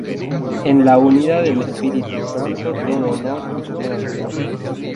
en la unidad del Espíritu Santo, todo honor y toda gloria